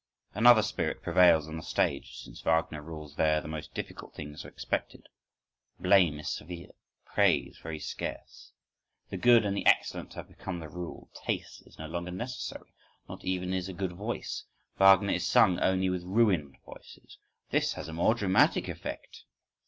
Another spirit prevails on the stage since Wagner rules there the most difficult things are expected, blame is severe, praise very scarce,—the good and the excellent have become the rule. Taste is no longer necessary, nor even is a good voice. Wagner is sung only with ruined voices: this has a more "dramatic" effect.